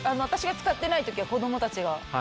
私が使ってない時は子供たちが。